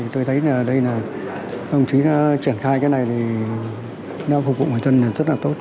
tôi thấy đồng chí triển khai cái này phục vụ mọi dân rất là tốt